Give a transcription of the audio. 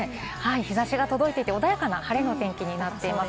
日差しが届いていて、晴れの天気になっています。